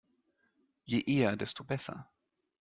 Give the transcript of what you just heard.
Je eher, desto besser.